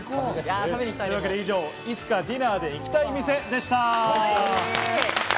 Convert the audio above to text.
というわけで以上、いつかディナーで行きたい店でした。